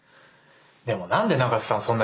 でも何で永瀬さん